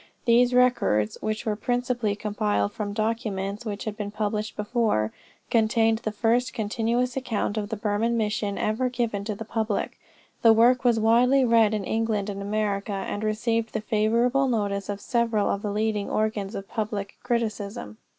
These records, which were principally compiled from documents which had been published before, contained the first continuous account of the Burman mission ever given to the public. The work was widely read in England and America, and received the favorable notice of several of the leading organs of public criticism.